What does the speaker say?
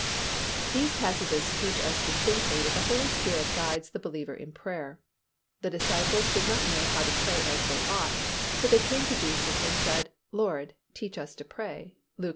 These passages teach us distinctly that the Holy Spirit guides the believer in prayer. The disciples did not know how to pray as they ought so they came to Jesus and said, "Lord, teach us to pray" (Luke xi.